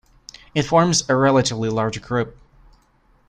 It forms a relatively large group.